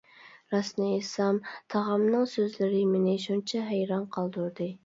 راستىنى ئېيتسام، تاغامنىڭ سۆزلىرى مېنى شۇنچە ھەيران قالدۇردى.